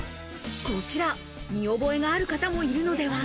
こちら、見覚えがある方もいるのでは？